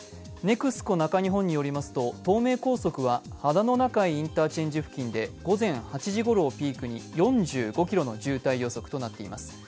ＮＥＸＣＯ中日本によりますと、東名高速は、秦野中井インターチェンジ付近で午前８時ごろをピークに４５ｋｍの渋滞予測となっています。